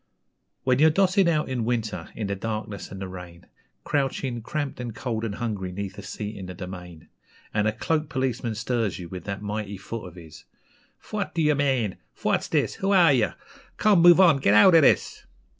When you're dossing out in winter, in the darkness and the rain, Crouching, cramped, and cold and hungry 'neath a seat in The Domain, And a cloaked policeman stirs you with that mighty foot of his 'Phwat d'ye mane? Phwat's this? Who are ye? Come, move on git out av this!'